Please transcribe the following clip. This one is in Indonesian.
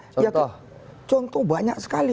contoh contoh banyak sekali